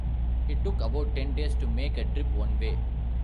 It took about ten days to make a trip one way.